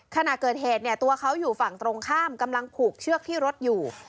ขณะเกิดเหตุเนี่ยตัวเขาอยู่ฝั่งตรงข้ามกำลังผูกเชือกที่รถอยู่